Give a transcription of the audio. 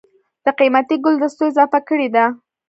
دَ قېمتي ګلدستو اضافه کړې ده